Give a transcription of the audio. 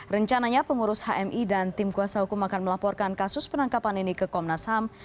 rencananya pengurus hmi dan tim kuasa hukum akan melaporkan kasus penangkapan ini ke komnas ham